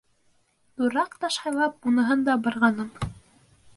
Ҙурыраҡ таш һайлап, уныһын да бырғаным.